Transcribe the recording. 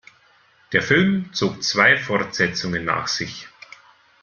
Der Film zog zwei Fortsetzungen nach sich.